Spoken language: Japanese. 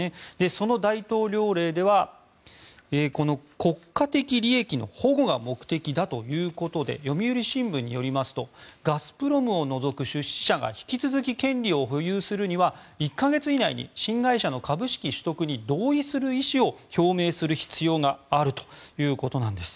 その大統領令では国家的利益の保護が目的だということで読売新聞によりますとガスプロムを除く出資者が引き続き権利を保有するには１か月以内に新会社の株式取得に同意する意思を表明する必要があるということです。